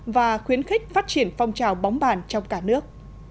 và khuyến khích phát triển phong trào bóng bàn trong cả nước